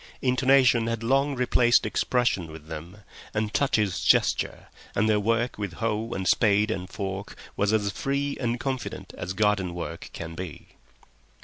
Intonation had long replaced expression with them, and touches gesture, and their work with hoe and spade and fork was as free and confident as garden work can be.